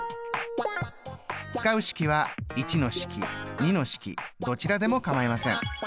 使う式は１の式２の式どちらでもかまいません。